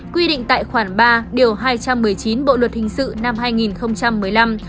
quy định tại khoản ba điều hai trăm một mươi chín bộ luật hình sự năm hai nghìn một mươi năm